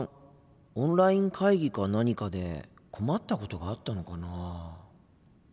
オンライン会議か何かで困ったことがあったのかなあ？